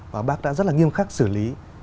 và bác đã rất là nghiêm khắc xử lý